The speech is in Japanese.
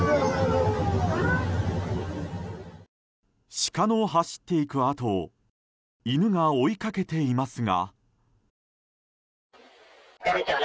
鹿の走っていくあとを犬が追いかけていますが。